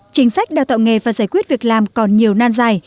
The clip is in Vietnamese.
chính sách đào tạo nghề và giải quyết việc làm còn nhiều nan dài